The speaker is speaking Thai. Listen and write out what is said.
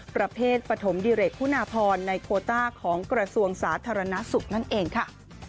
ประเภทประถมดีเรทคุณาพรในโควตาของกระทรวงสาธารณสุขนั่นเองค่ะ